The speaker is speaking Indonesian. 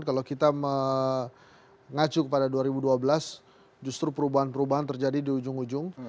kalau kita mengacu kepada dua ribu dua belas justru perubahan perubahan terjadi di ujung ujung